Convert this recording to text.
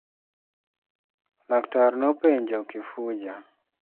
Laktar nopenjo Kifuja.